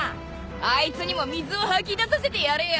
あいつにも水を吐き出させてやれよ。